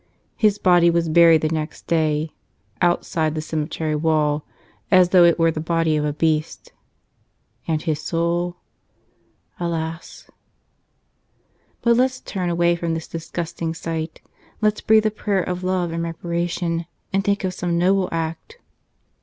His body was buried the next day — outside the cemetery wall, as though it were the body of a beast. And his soul? Alas !.... But let's turn away from this disgusting sight. Let's breathe a prayer of love and reparation and think of some noble act.